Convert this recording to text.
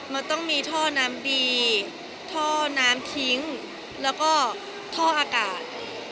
มันต้องมีท่อน้ำดีท่อน้ำทิ้งแล้วก็ท่ออากาศ